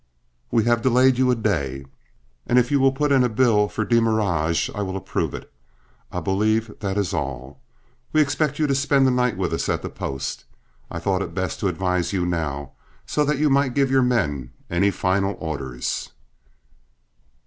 We have delayed you a day, and if you will put in a bill for demurrage, I will approve it. I believe that is all. We'll expect you to spend the night with us at the post. I thought it best to advise you now, so that you might give your men any final orders."